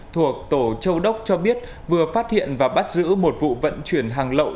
thuộc tổ châu đốc cho biết vừa phát hiện và bắt giữ một vụ vận chuyển hàng lậu